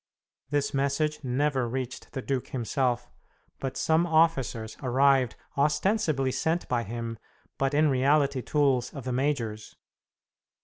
This message never reached the duke himself, but some officers arrived ostensibly sent by him, but in reality tools of the major's.